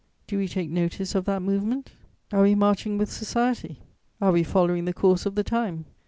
Do we take notice of that movement? Are we marching with society? Are we following the course of the time?